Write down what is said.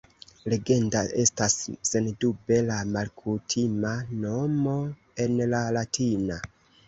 Legenda estas sendube la malkutima nomo en la latina.